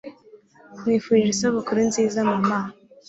nkwifurije isabukuru nziza mama